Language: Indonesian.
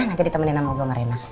nanti ditemenin sama gue sama reina